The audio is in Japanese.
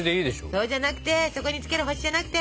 そうじゃなくてそこにつける星じゃなくて。